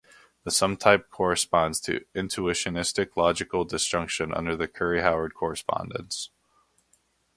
The sum type corresponds to intuitionistic logical disjunction under the Curry-Howard correspondence.